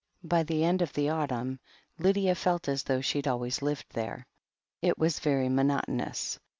By the end of the autumn Lydia felt as though she had always lived there. It was very monotonous.